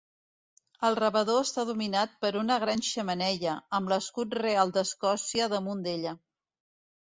El rebedor està dominat per una gran xemeneia, amb l'escut real d'Escòcia damunt d'ella.